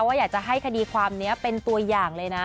อยากจะให้คดีความนี้เป็นตัวอย่างเลยนะ